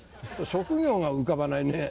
職業が浮かばないね。